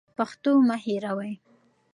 پښتو مه هېروئ.